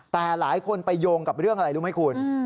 แต่หลายคนไปโยงกับเรื่องอะไรรู้ไหมคุณ